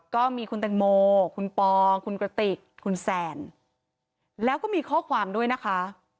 ก็มีคุณแตงโมคุณปอคุณกระติกคุณแซนแล้วก็มีข้อความด้วยนะคะ